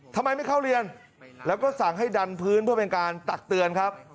ทำไมไม่เข้าเรียนแล้วก็สั่งให้ดันพื้นเพื่อเป็นการตักเตือนครับ